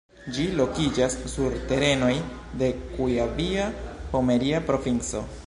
Ĝi lokiĝas sur terenoj de Kujavia-Pomeria Provinco.